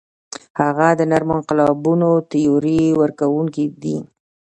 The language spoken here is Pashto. هغه د نرمو انقلابونو تیوري ورکوونکی دی.